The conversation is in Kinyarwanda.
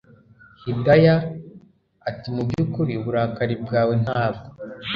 Hidaya atimubyukuri uburakari bwawe ntabwo